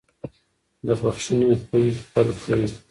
د بښنې خوی خپل کړئ.